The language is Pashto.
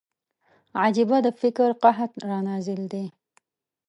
عجيبه د فکر قحط را نازل دی